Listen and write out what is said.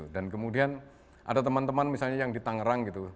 dan kemudian ada teman teman misalnya yang di tangerang gitu